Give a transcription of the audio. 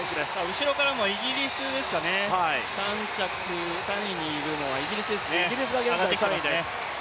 後ろからイギリスですかね、３位にいるのはイギリスですね。